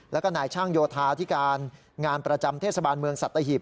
แล้วก็นายช่างโยธาที่การงานประจำเทศบาลเมืองสัตหีบ